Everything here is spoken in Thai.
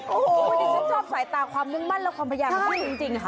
คือถึงฉันชอบสายตาความมั่นมั่นและความพยายามข้างขึ้นจริงค่ะ